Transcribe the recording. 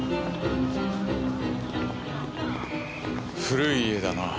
古い家だなぁ。